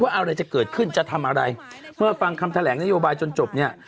อะไรจะเกิดขึ้นจะทำอะไรเมื่อฟังคำแถลงนโยบายจนจบเนี่ย